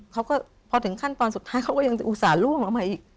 เขาก็พอถึงขั้นตอนสุดท้ายเขาก็ยังจะอุตส่าห์ล่วงลงมาอีก